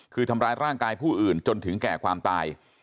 คือทำร้ายร่างกายผู้อื่นจนถึงแก่ความตาย